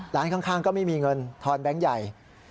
ร้านข้างก็ไม่มีเงินทอนแบงค์ใหญ่